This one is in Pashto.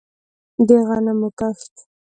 د غنمو کښت